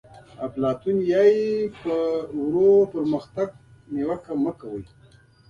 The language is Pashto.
افلاطون وایي په ورو پرمختګ نیوکه مه کوئ.